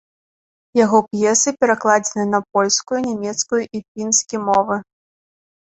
Яго п'есы перакладзены на польскую, нямецкую і фінскі мовы.